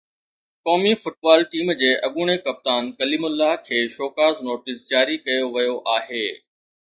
قومي football team جي اڳوڻي ڪپتان ڪليم الله کي شوڪاز نوٽيس جاري ڪيو ويو آهي